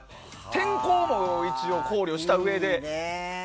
天候も考慮したうえで。